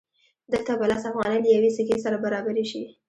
دلته به لس افغانۍ له یوې سکې سره برابرې شي